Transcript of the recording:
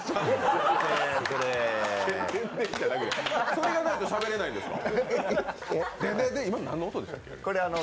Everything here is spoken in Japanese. それがないとしゃべれないんですか。